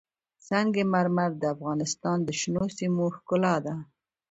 سنگ مرمر د افغانستان د شنو سیمو ښکلا ده.